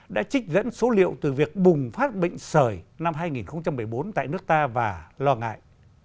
đều từ việc bùng phát bệnh sởi năm hai nghìn một mươi bốn tại nước ta và lo ngại